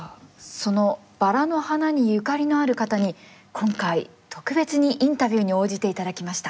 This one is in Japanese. その「ばらの花」にゆかりのある方に今回特別にインタビューに応じていただきました。